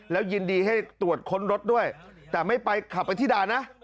แล้วยินดีให้ตรวจค้นรถด้วยแต่ไม่ไปขับไปที่ด่านนะ